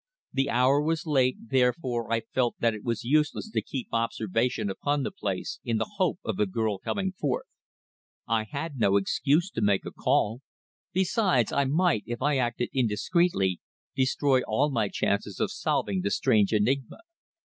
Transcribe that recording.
The hour was late, therefore I felt that it was useless to keep observation upon the place in the hope of the girl coming forth. I had no excuse to make a call. Besides, I might, if I acted indiscreetly, destroy all my chances of solving the strange enigma.